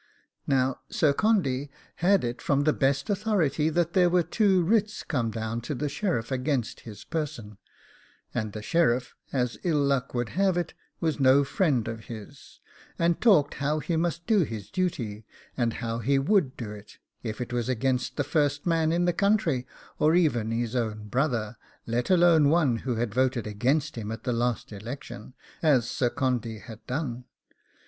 Now Sir Condy had it from the best authority that there were two writs come down to the sheriff against his person, and the sheriff, as ill luck would have it, was no friend of his, and talked how he must do his duty, and how he would do it, if it was against the first man in the country, or even his own brother, let alone one who had voted against him at the last election, as Sir Condy had done.